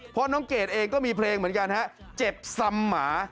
เพราะน้องเกดเองก็มีเพลงเหมือนกันฮะเจ็บซ้ำหมา